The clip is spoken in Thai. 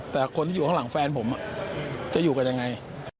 แต่คนที่อยู่ข้างหลังแฟนผมจะอยู่กันยังไง